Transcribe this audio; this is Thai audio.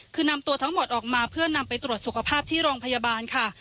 คือนำตัวทั้งหมดออกมาเพื่อนำไปตรวจสุขภาพที่โรงพยาบาลค่ะ